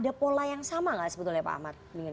ada pola yang sama nggak sebetulnya pak ahmad